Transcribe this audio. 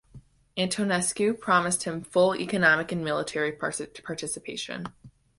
Antonescu promised him full economic and military participation.